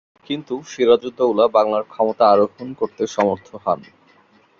কিন্তু সিরাজউদ্দৌলা বাংলার ক্ষমতা আরোহণ করতে সমর্থ হন।